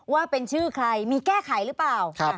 ว่าเป็นชื่อใครมีแก้ไขหรือเปล่า